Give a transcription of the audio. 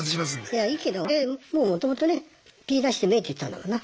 いやいいけどもうもともとねピーなしでもいいって言ったんだもんな。